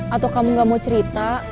atau kamu gak mau cerita